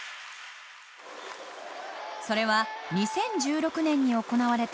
それは２０１６年に行われたオリックス戦。